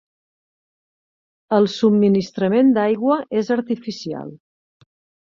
El subministrament d'aigua és artificial.